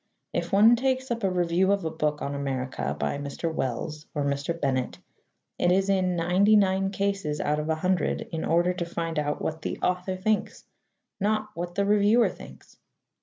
If one takes up a review of a book on America by Mr. Wells or Mr. Bennett, it is in ninety nine cases out of a hundred in order to find out what the author thinks, not what the reviewer thinks.